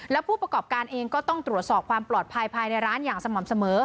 และผู้ประกอบการเองก็ต้องตรวจสอบความปลอดภัยภายในร้านอย่างสม่ำเสมอ